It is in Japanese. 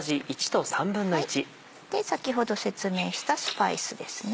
先ほど説明したスパイスですね。